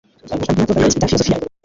abwira Paul Bailey ibya filozofiya